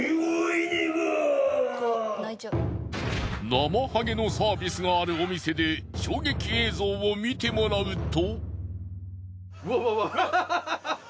なまはげのサービスがあるお店で衝撃映像を見てもらうと。